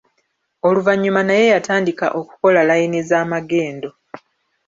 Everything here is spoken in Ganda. Oluvanyuma naye yatandika okukola layini z'amagendo.